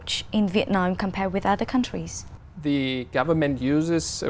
chính phủ việt nam là một người thân thật